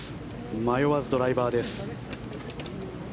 迷わずドライバーです。